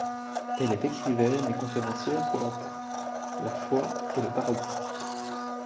Elle est écrivaine et conférencière pour la paix, la foi et le pardon.